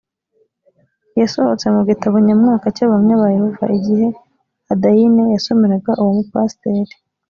yasohotse mu gitabo nyamwaka cy’abahamya ba yehova. igihe adaine yasomeraga uwo mupasiteri